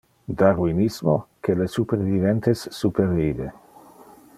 Darwinismo: Que le superviventes supervive.